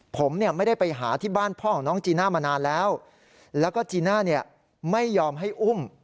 ผมเนี่ยไม่ได้ไปหาที่บ้านพ่อของน้องจีน่ามานานแล้วแล้วก็จีน่าเนี่ยไม่ยอมให้อุ้ม